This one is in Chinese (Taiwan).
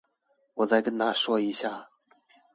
我再跟他說一下